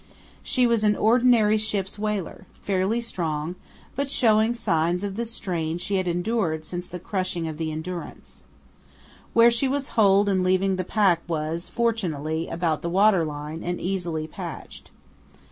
She was an ordinary ship's whaler, fairly strong, but showing signs of the strains she had endured since the crushing of the Endurance. Where she was holed in leaving the pack was, fortunately, about the water line and easily patched.